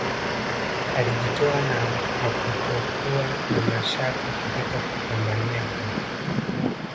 Alijitoa na hakutokuwa na mashaka katika kupambania haki